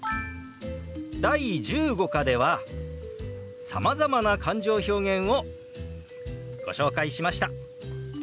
第１５課ではさまざまな感情表現をご紹介しました。